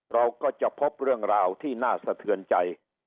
เราก็จะพบเรื่องราวที่น่าสะเทือนใจ